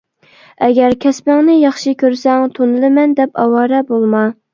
ئەگەر كەسپىڭنى ياخشى كۆرسەڭ، تونۇلىمەن دەپ ئاۋارە بولما.